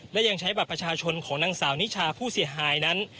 และยังใช้บัตรประชาชนของนางสาวนิชาผู้เสียหายนั้น